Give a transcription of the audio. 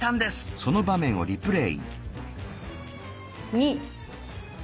２！